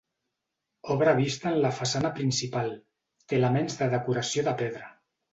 Obra vista en la façana principal, té elements de decoració de pedra.